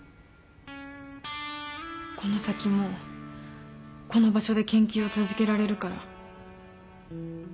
この先もこの場所で研究を続けられるから。